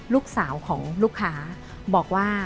ลูกสาวของลูกค้าบอกว่า